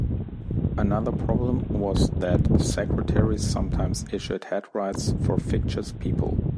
Another problem was that secretaries sometimes issued headrights for fictitious people.